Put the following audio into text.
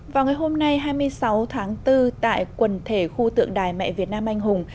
vào ngày hôm nay hai mươi sáu tháng bốn tại quần thể khu tượng đài mẹ việt nam anh hùng